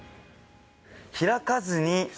開かずに。